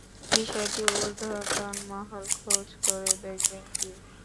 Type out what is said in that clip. বিষয়টি ঊর্ধ্বতন মহল খোঁজ করে দেখবেন কি?